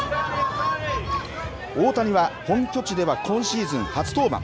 大谷は本拠地では今シーズン初登板。